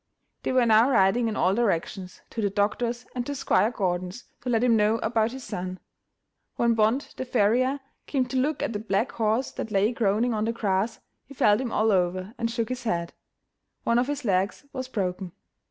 They were now riding in all directions to the doctor's, and to Squire Gordon's, to let him know about his son. When Bond, the farrier, came to look at the black horse that lay groaning on the grass, he felt him all over, and shook his head; one of his legs was broken.